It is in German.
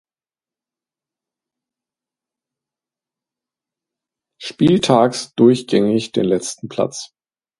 Spieltags durchgängig den letzten Platz.